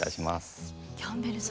キャンベルさん